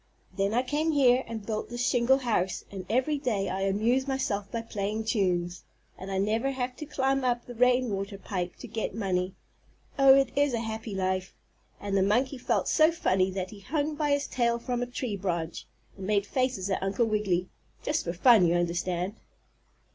Then I came here, and built this shingle house and every day I amuse myself by playing tunes, and I never have to climb up the rainwater pipe to get money. Oh, it is a happy life," and the monkey felt so funny that he hung by his tail from a tree branch, and made faces at Uncle Wiggily just in fun, you understand.